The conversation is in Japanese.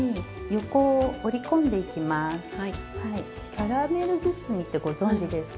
「キャラメル包み」ってご存じですか？